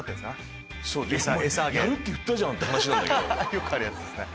よくあるやつっすね。